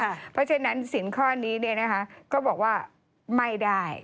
เพราะฉะนั้นสินข้อนี้ก็บอกว่าไม่ได้